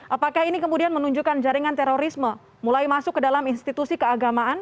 apakah ini kemudian menunjukkan jaringan terorisme mulai masuk ke dalam institusi keagamaan